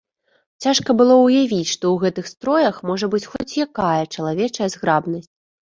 Цяжка было ўявіць, што ў гэтых строях можа быць хоць якая чалавечая зграбнасць.